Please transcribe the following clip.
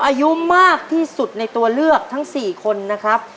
อายุมากที่สุดในตัวเลือกทั้ง๔คนนะครับ